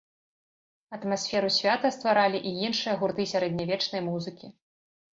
Атмасферу свята стваралі і іншыя гурты сярэднявечнай музыкі.